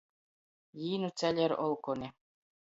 Jī nu ceļa ir olkoni.